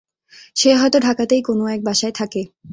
সে হয়তো ঢাকাতেই কোনো এক বাসায় থাকে।